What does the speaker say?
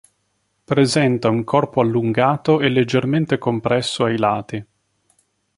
Presenta un corpo allungato e leggermente compresso ai lati.